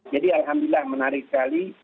jadi alhamdulillah menarik sekali